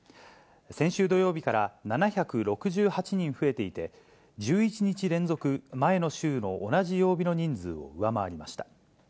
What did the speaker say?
先週土曜日から７６８人増えていて、１１日連続、前の週の同じ曜日の人数を上回りました。